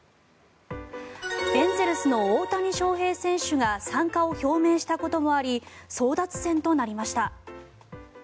エンゼルスの大谷翔平選手が参加を表明したこともあり争奪戦となりました。